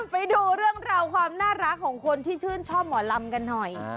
ไปดูเรื่องราวความน่ารักของคนที่ชื่นชอบหมอลำกันหน่อย